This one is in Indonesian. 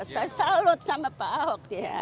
saya salut sama pak ahok ya